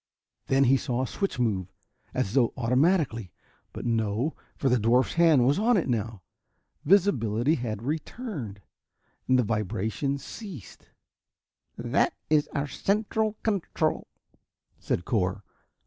Then he saw a switch move, as though automatically. But no, for the dwarf's hand was on it now. Visibility had returned. The vibration ceased. "That is the central control," said Cor.